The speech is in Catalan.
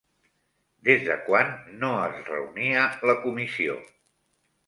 Des de quan no es reunia la comissió?